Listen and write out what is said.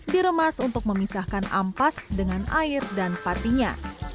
diremas untuk memisahkan ampas dengan air dan partinya